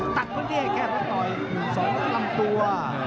ตักตัวนี้แค่พอต่ออีก๑๒๓ตัว